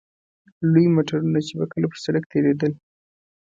لوی موټرونه چې به کله پر سړک تېرېدل.